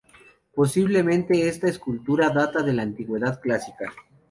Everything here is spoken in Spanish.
Posiblemente esta escultura data de la Antigüedad clásica.